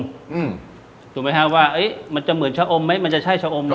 อืมถูกไหมฮะว่าเอ๊ะมันจะเหมือนชาโอมไหมมันจะใช่ชาโอมไหม